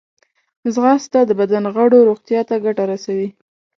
ځغاسته د بدن د غړو روغتیا ته ګټه رسوي